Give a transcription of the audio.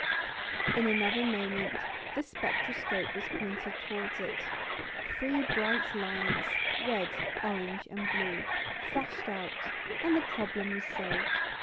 In another moment the spectroscope was pointed towards it; three bright lines red, orange, and blue flashed out, and the problem was solved.